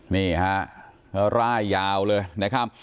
นี่ฮะเขาร่ายยาวเลยนะครับ